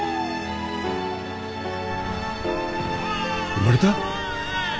・生まれた？